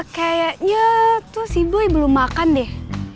kayaknya tuh si ibu belum makan deh